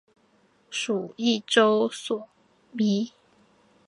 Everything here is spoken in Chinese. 属邕州羁縻。